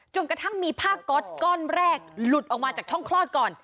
กระทั่งมีผ้าก๊อตก้อนแรกหลุดออกมาจากช่องคลอดก่อน